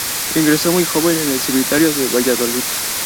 Ingresó muy joven en el seminario de Valladolid.